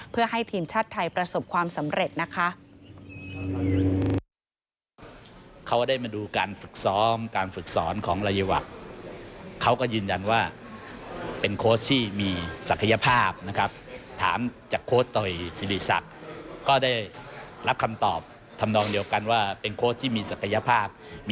เพื่อให้ทีมชาติไทยประสบความสำเร็จนะคะ